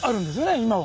今は。